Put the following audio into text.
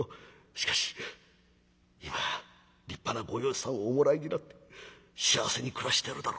しかし今立派なご養子さんをおもらいになって幸せに暮らしてるだろう。